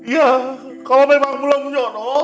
ya kalau memang belum jodoh